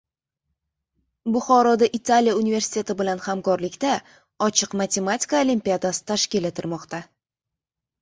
Buxoroda Italiya universiteti bilan hamkorlikda "Ochiq matematika olimpiadasi" tashkil etilmoqda